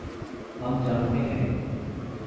ہم جانتے ہیں۔